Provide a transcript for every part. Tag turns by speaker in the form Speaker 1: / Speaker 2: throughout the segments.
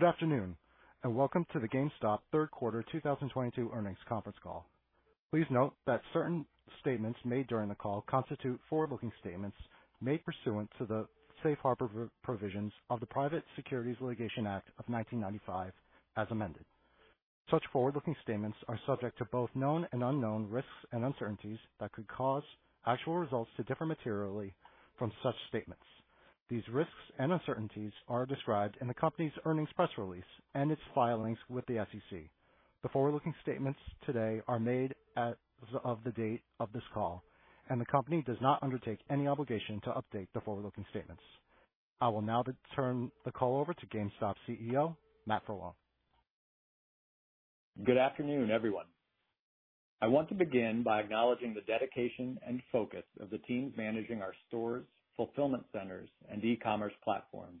Speaker 1: Good afternoon, welcome to the GameStop Third Quarter 2022 Earnings Conference Call. Please note that certain statements made during the call constitute forward-looking statements made pursuant to the Safe Harbor Provisions of the Private Securities Litigation Reform Act of 1995 as amended. Such forward-looking statements are subject to both known and unknown risks and uncertainties that could cause actual results to differ materially from such statements. These risks and uncertainties are described in the company's earnings press release and its filings with the SEC. The forward-looking statements today are made as of the date of this call, the company does not undertake any obligation to update the forward-looking statements. I will now turn the call over to GameStop CEO, Matt Furlong.
Speaker 2: Good afternoon, everyone. I want to begin by acknowledging the dedication and focus of the teams managing our stores, fulfillment centers, and e-commerce platforms.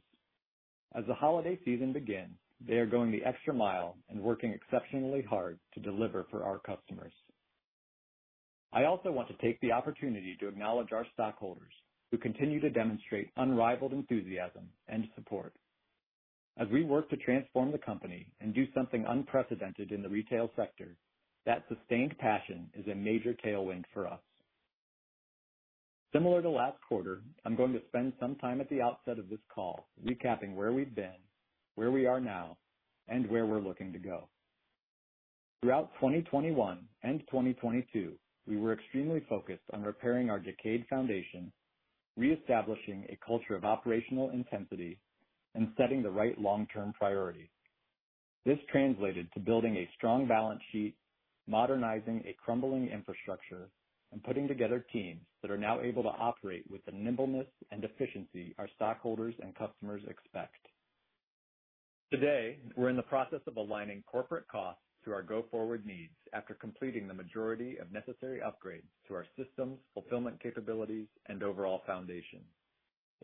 Speaker 2: As the holiday season begins, they are going the extra mile and working exceptionally hard to deliver for our customers. I also want to take the opportunity to acknowledge our stockholders who continue to demonstrate unrivaled enthusiasm and support. As we work to transform the company and do something unprecedented in the retail sector, that sustained passion is a major tailwind for us. Similar to last quarter, I'm going to spend some time at the outset of this call recapping where we've been, where we are now, and where we're looking to go. Throughout 2021 and 2022, we were extremely focused on repairing our decayed foundation, reestablishing a culture of operational intensity, and setting the right long-term priority. This translated to building a strong balance sheet, modernizing a crumbling infrastructure, and putting together teams that are now able to operate with the nimbleness and efficiency our stockholders and customers expect. Today, we're in the process of aligning corporate costs to our go-forward needs after completing the majority of necessary upgrades to our systems, fulfillment capabilities, and overall foundation.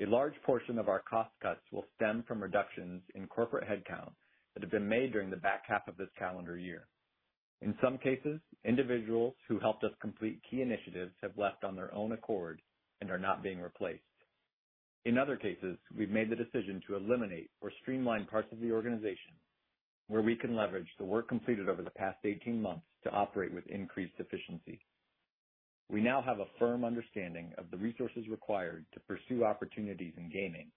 Speaker 2: A large portion of our cost cuts will stem from reductions in corporate headcount that have been made during the back half of this calendar year. In some cases, individuals who helped us complete key initiatives have left on their own accord and are not being replaced. In other cases, we've made the decision to eliminate or streamline parts of the organization where we can leverage the work completed over the past 18 months to operate with increased efficiency. We now have a firm understanding of the resources required to pursue opportunities in gaming,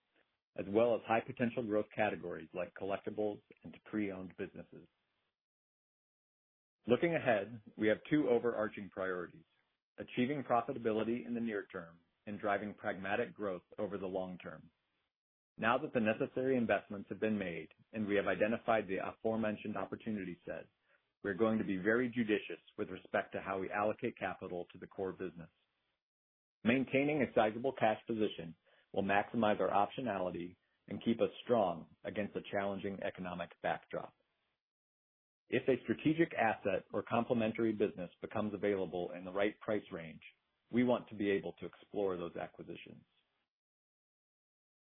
Speaker 2: as well as high potential growth categories like collectibles and pre-owned businesses. Looking ahead, we have two overarching priorities, achieving profitability in the near term and driving pragmatic growth over the long term. Now that the necessary investments have been made and we have identified the aforementioned opportunity set, we're going to be very judicious with respect to how we allocate capital to the core business. Maintaining a sizable cash position will maximize our optionality and keep us strong against a challenging economic backdrop. If a strategic asset or complementary business becomes available in the right price range, we want to be able to explore those acquisitions.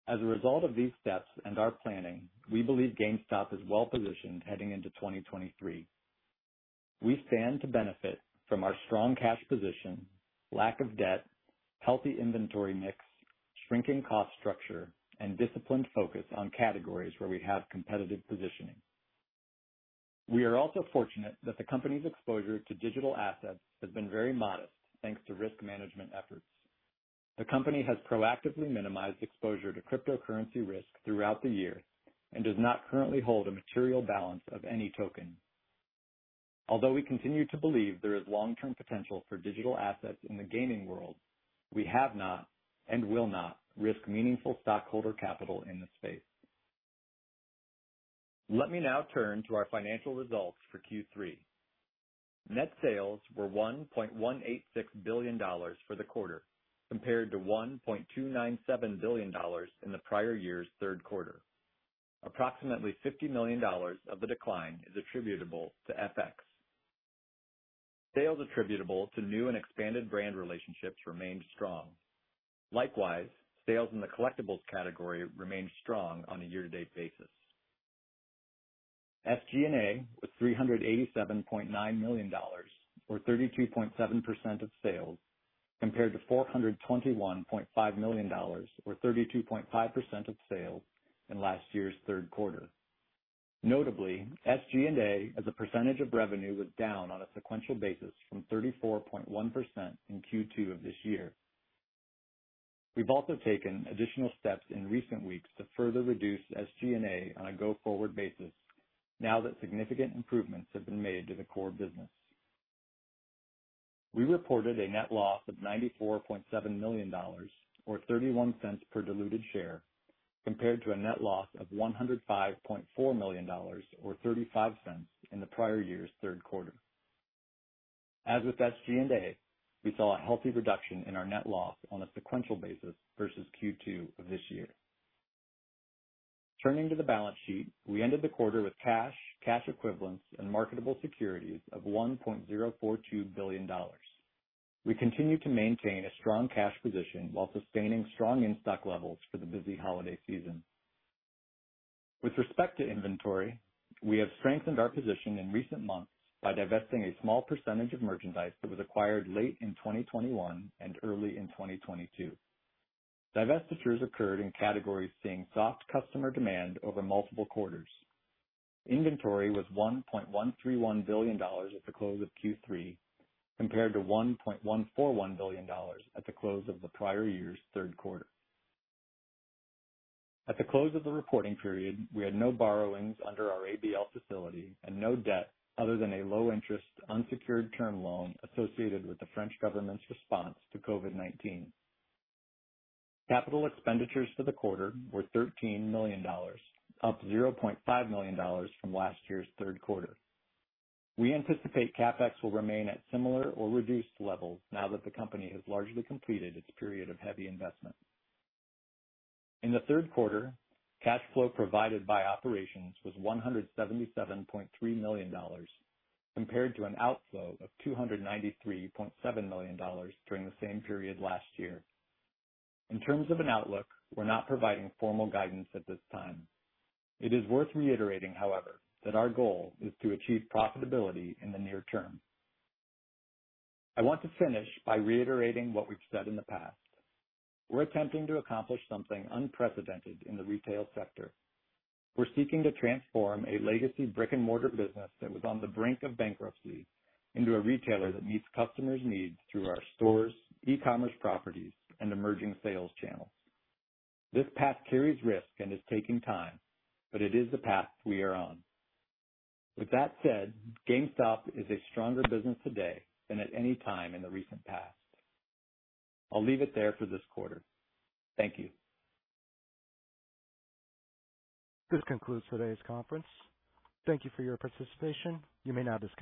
Speaker 2: As a result of these steps and our planning, we believe GameStop is well positioned heading into 2023. We stand to benefit from our strong cash position, lack of debt, healthy inventory mix, shrinking cost structure, and disciplined focus on categories where we have competitive positioning. We are also fortunate that the company's exposure to digital assets has been very modest, thanks to risk management efforts. The company has proactively minimized exposure to cryptocurrency risk throughout the year and does not currently hold a material balance of any token. Although we continue to believe there is long-term potential for digital assets in the gaming world, we have not and will not risk meaningful stockholder capital in this space. Let me now turn to our financial results for Q3. Net sales were $1.186 billion for the quarter, compared to $1.297 billion in the prior year's third quarter. Approximately $50 million of the decline is attributable to FX. Sales attributable to new and expanded brand relationships remained strong. Likewise, sales in the collectibles category remained strong on a year-to-date basis. SG&A was $387.9 million, or 32.7% of sales, compared to $421.5 million or 32.5% of sales in last year's third quarter. Notably, SG&A, as a percentage of revenue, was down on a sequential basis from 34.1% in Q2 of this year. We've also taken additional steps in recent weeks to further reduce SG&A on a go-forward basis now that significant improvements have been made to the core business. We reported a net loss of $94.7 million or $0.31 per diluted share, compared to a net loss of $105.4 million or $0.35 in the prior year's third quarter. As with SG&A, we saw a healthy reduction in our net loss on a sequential basis versus Q2 of this year. Turning to the balance sheet, we ended the quarter with cash equivalents, and marketable securities of $1.042 billion. We continue to maintain a strong cash position while sustaining strong in-stock levels for the busy holiday season. With respect to inventory, we have strengthened our position in recent months by divesting a small percentage of merchandise that was acquired late in 2021 and early in 2022. Divestitures occurred in categories seeing soft customer demand over multiple quarters. Inventory was $1.131 billion at the close of Q3, compared to $1.141 billion at the close of the prior year's third quarter. At the close of the reporting period, we had no borrowings under our ABL facility and no debt other than a low interest unsecured term loan associated with the French government's response to COVID-19. Capital expenditures for the quarter were $13 million, up $0.5 million from last year's third quarter. We anticipate CapEx will remain at similar or reduced levels now that the company has largely completed its period of heavy investment. In the third quarter, cash flow provided by operations was $177.3 million, compared to an outflow of $293.7 million during the same period last year. In terms of an outlook, we're not providing formal guidance at this time. It is worth reiterating, however, that our goal is to achieve profitability in the near term. I want to finish by reiterating what we've said in the past. We're attempting to accomplish something unprecedented in the retail sector. We're seeking to transform a legacy brick-and-mortar business that was on the brink of bankruptcy into a retailer that meets customers' needs through our stores, e-commerce properties, and emerging sales channels. This path carries risk and is taking time, but it is the path we are on. With that said, GameStop is a stronger business today than at any time in the recent past. I'll leave it there for this quarter. Thank you.
Speaker 1: This concludes today's conference. Thank you for your participation. You may now disconnect.